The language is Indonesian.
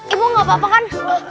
ibu gak apa apa kan